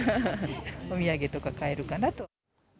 お土産とか買えるかなと。